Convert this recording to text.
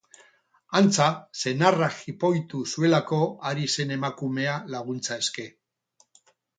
Antza, senarrak jipoitu zuelako ari zen emakumea laguntza eske.